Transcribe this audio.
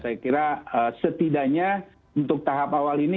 saya kira setidaknya untuk tahap awal ini